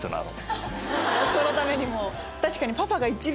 そのためにも。